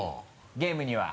ゲームには。